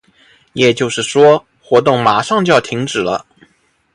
也就是说，活动马上就要停止了。